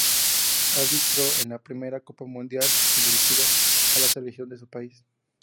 Arbitró en la primera copa mundial y dirigió a la selección de su país.